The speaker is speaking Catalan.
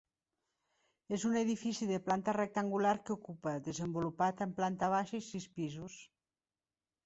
És un edifici de planta rectangular que ocupa, desenvolupat en planta baixa i sis pisos.